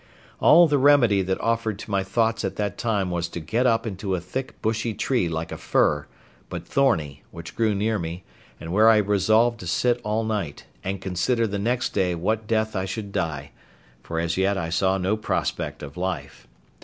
All the remedy that offered to my thoughts at that time was to get up into a thick bushy tree like a fir, but thorny, which grew near me, and where I resolved to sit all night, and consider the next day what death I should die, for as yet I saw no prospect of life.